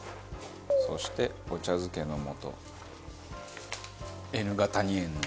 そしてお茶漬けの素。